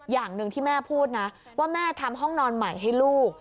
อย่างหนึ่งที่แม่พูดนะว่าแม่ทำห้องนอนใหม่ให้ลูก